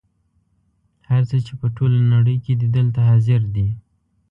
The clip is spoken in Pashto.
هر څه چې په ټوله نړۍ کې دي دلته حاضر دي.